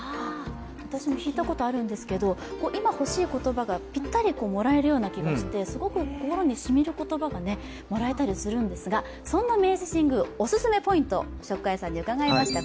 私も引いたことがあるんですけど、自分が欲しい言葉がもらえるような気がしてすごく心にしみる言葉がもらえたりするんですが、そんな明治神宮のオススメポイントを伺いました。